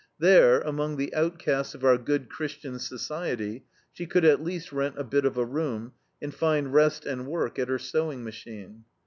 There, among the outcasts of our good Christian society, she could at least rent a bit of a room, and find rest and work at her sewing machine.